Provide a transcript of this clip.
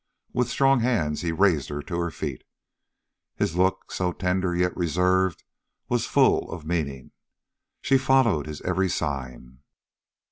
With strong hands he raised her to her feet. His look, so tender yet reserved, was full of meaning. She followed his every sign.